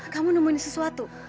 kamu nemuin sesuatu